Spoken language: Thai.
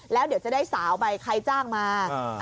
แล้วเดี๋ยวจะได้สาวไปใครจ้างมา